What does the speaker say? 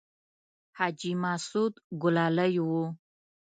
حاجي مسعود ګلالی و.